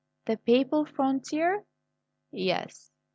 "The Papal frontier?" "Yes.